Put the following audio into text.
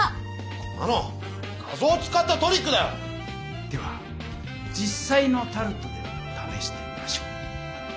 こんなの画ぞうを使ったトリックだよ！では実さいのタルトでためしてみましょう。